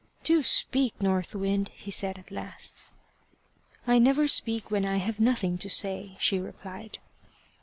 "Do speak, North Wind," he said at last. "I never speak when I have nothing to say," she replied.